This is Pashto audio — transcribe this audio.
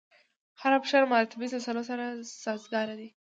هر اپشن مراتبي سلسلو سره سازګاره دی.